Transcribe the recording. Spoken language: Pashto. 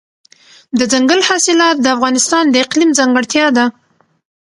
دځنګل حاصلات د افغانستان د اقلیم ځانګړتیا ده.